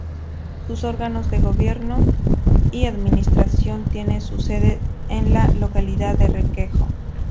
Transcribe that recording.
Sus órganos de gobierno y administración tienen su sede en la localidad de Requejo.